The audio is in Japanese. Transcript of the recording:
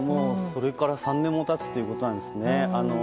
それから３年も経つということなんですね。